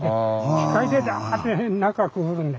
機械でダーッて中くぐるんで。